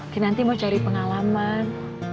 kenanti mau cari pengalaman